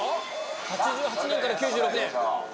８８年から９６年。